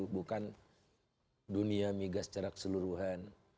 bukan dunia migas cerak seluruhan